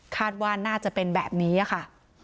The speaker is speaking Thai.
คาดว่าน่าจะเป็นแบบนี้ค่ะ